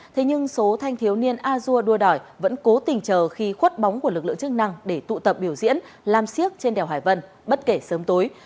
thế nhưng số thanh thiếu niên a dua đua đòi vẫn cố tình chờ khi khuất bóng của lực lượng chức năng để tụ tập biểu diễn làm siếc trên đèo hải vân bất kể sớm tối